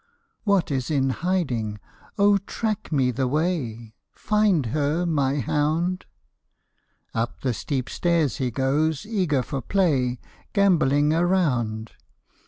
' What is in hiding ? Oh, track mc the way — Find her, my hound I ' Up the steep stairs he goes, eager for play. Gambolling around.